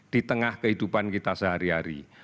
di tengah kehidupan kita sehari hari